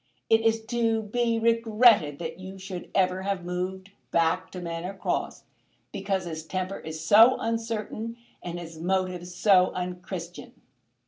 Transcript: It is to be regretted that you should ever have moved back to Manor Cross, because his temper is so uncertain, and his motives so unchristian!